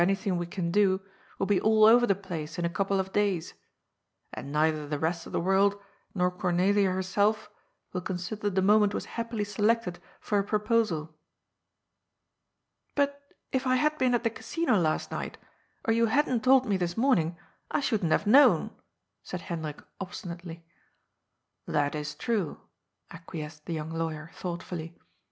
thing we can do, will be all over the place in a couple of days. And neither the rest of the world, nor Cornelia her self, will consider the moment was happily selected for a proposal.*' ^^ But if I had been at the Casino last night, or you hadn't told me this morning, I shouldn't have known," said Hendrik obstinately. " That is true," acquiesced the young lawyer thought fully.